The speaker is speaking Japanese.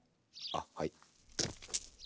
あっはい。